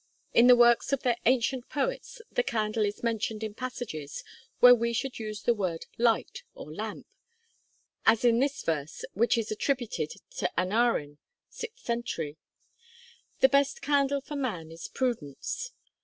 In the works of their ancient poets the candle is mentioned in passages where we should use the word light or lamp as in this verse, which is attributed to Aneurin (sixth century): The best candle for man is prudence.